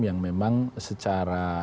yang memang secara